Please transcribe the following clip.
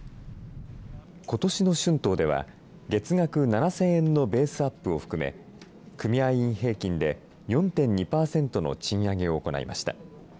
ことしの春闘では、月額７０００円のベースアップを含め、組合員平均で４．２％の賃上げを行いました。